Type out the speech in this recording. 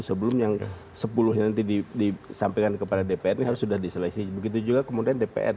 sebelum yang sepuluh nya nanti disampaikan kepada dpr ini harus sudah diseleksi begitu juga kemudian dpr